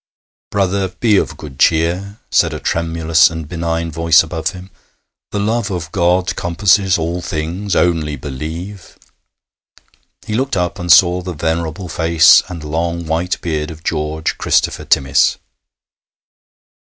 'Brother, be of good cheer,' said a tremulous and benign voice above him. 'The love of God compasseth all things. Only believe.' He looked up and saw the venerable face and long white beard of George Christopher Timmis.